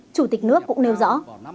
chủ tịch nước cũng nêu rõ